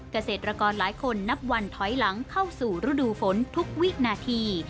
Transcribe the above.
เกษตรกรหลายคนนับวันถอยหลังเข้าสู่ฤดูฝนทุกวินาที